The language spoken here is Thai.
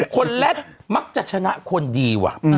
คนแรกมักจะชนะคนดีว่ะ